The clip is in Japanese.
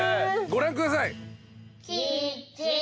ご覧ください。